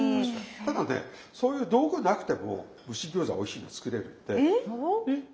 ただねそういう道具なくても蒸し餃子はおいしいの作れるんで。え？